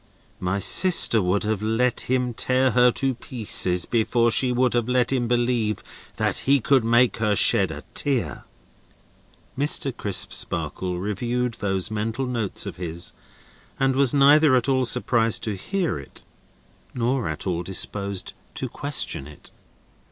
My sister would have let him tear her to pieces, before she would have let him believe that he could make her shed a tear." Mr. Crisparkle reviewed those mental notes of his, and was neither at all surprised to hear it, nor at all disposed to question it.